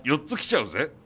４つ来ちゃうぜ。